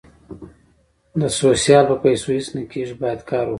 د سوسیال په پېسو هیڅ نه کېږي باید کار وکړو